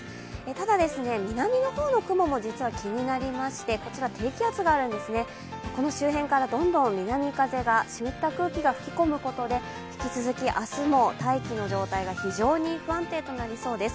ただ、南の方も雲も実は気になりまして、こちら低気圧があるんですね、この周辺からどんどん南風が湿った空気が吹き込むことで引き続き明日も大気の状態が非常に不安定となりそうです。